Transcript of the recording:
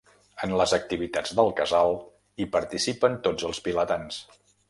En les activitats del casal hi participen tots els vilatans.